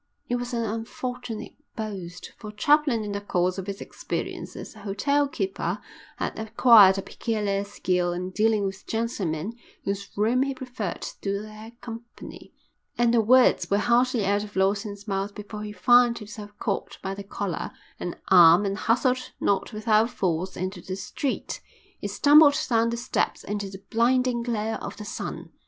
It was an unfortunate boast, for Chaplin in the course of his experience as a hotel keeper had acquired a peculiar skill in dealing with gentlemen whose room he preferred to their company, and the words were hardly out of Lawson's mouth before he found himself caught by the collar and arm and hustled not without force into the street. He stumbled down the steps into the blinding glare of the sun.